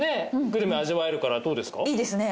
いいですね